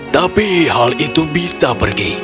tapi hal itu bisa pergi